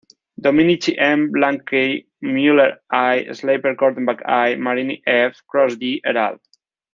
Dominici M, Blanc K, Mueller I, Slaper-Cortenbach I, Marini F, Krause D, et al.